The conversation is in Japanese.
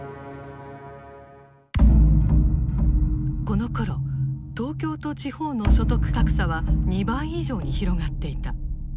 このころ東京と地方の所得格差は２倍以上に広がっていた。